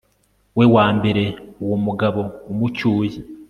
we wa mbere, uwo mugabo umucyuye